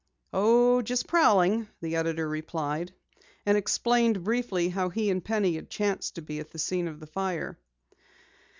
"Oh, just prowling," the editor replied, and explained briefly how he and Penny had chanced to be at the scene of the fire.